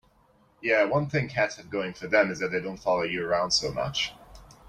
Yeah, one thing cats have going for them is that they don't follow you around so much.